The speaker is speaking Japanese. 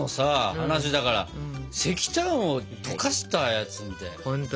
話だから石炭を溶かしたやつみたいな。